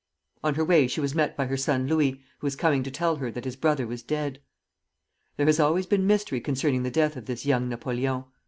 On her way she was met by her son Louis, who was coming to tell her that his brother was dead. There has always been mystery concerning the death of this young Napoleon.